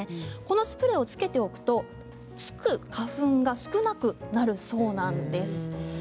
このスプレーをつけておくとつく花粉が少なくなるそうなんです。